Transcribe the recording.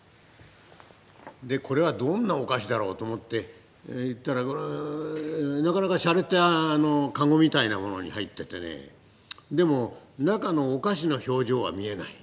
でこれはどんなお菓子だろうと思って行ったらなかなか洒落た籠みたいな物に入っていてねでも中のお菓子の表情は見えない。